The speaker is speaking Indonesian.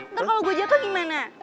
ntar kalo gua jatuh gimana